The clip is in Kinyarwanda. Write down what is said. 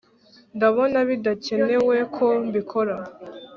ndabona bidakenewe ko mbikora